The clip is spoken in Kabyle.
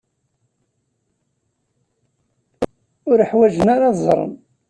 Ur ḥwajen ara ad ẓren.